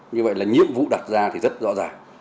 như vậy là nhiệm vụ đặt ra thì rất rõ ràng